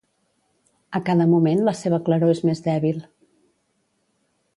A cada moment la seva claror és més dèbil.